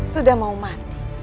sudah mau mati